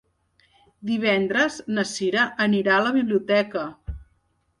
Divendres na Cira anirà a la biblioteca.